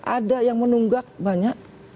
ada yang menunggak banyak